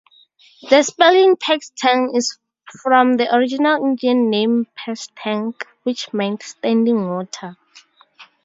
The spelling "Paxtang" is from the original Indian name "Peshtank", which meant "standing water".